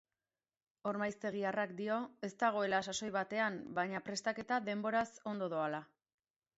Ormaiztegiarrak dio ez dagoela sasoi betean baina prestaketa denboraz ondo doala.